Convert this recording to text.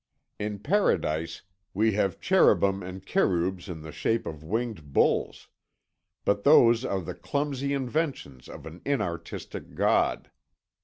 In Paradise we have Cherubim and Kerûbs in the shape of winged bulls, but those are the clumsy inventions of an inartistic god.